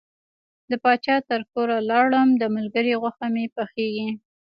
د پاچا تر کوره لاړم د ملګري غوښه مې پخیږي.